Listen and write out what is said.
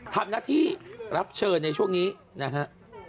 ทำหน้าที่รับเชิญในช่วงนี้นะฮะ